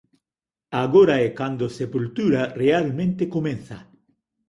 Agora é cando Sepultura realmente comeza.